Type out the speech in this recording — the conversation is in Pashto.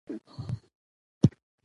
سړي سمدستي تعویذ ورته انشاء کړ